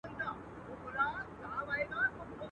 ته پاچا ځان مي وزیر جوړ کړ ته نه وې.